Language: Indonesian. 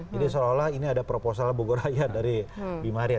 jadi seolah olah ini ada proposal bogor raya dari bimar ya